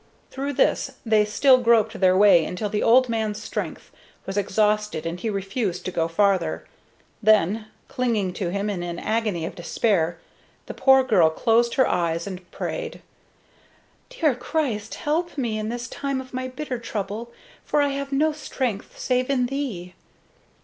Through this they still groped their way until the old man's strength was exhausted and he refused to go farther. Then, clinging to him in an agony of despair, the poor girl closed her eyes and prayed: "Dear Christ, help me in this time of my bitter trouble, for I have no strength save in Thee!"